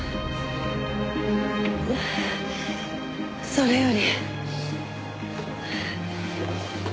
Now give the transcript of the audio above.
それより。